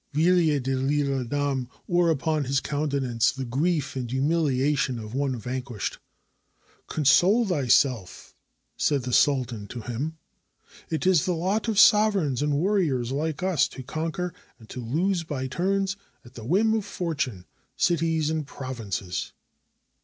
Villiers de LTle Adam wore upon his countenance the grief and humiliation of one vanquished. "Console thy self," said the sultan to him; "it is the lot of sovereigns and warriors like us to conquer and to lose by turns, at the whim of fortune, cities and provinces."